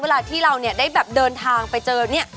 เวลาที่เราได้เดินทางไปเจอ